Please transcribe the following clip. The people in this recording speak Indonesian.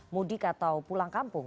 mudik atau pulang kampung